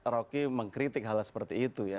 rocky mengkritik hal seperti itu ya